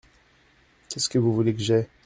Qu’est-ce que vous voulez que j’aie ?